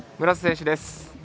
村瀬選手です。